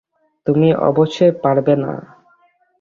তুমি অবশ্যই পারবে না।